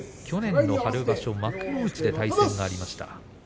去年の春場所、幕内で対戦がありました。